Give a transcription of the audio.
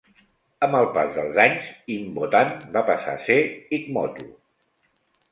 Amb el pas dels anys, Himbotan va passar a ser Higmoto.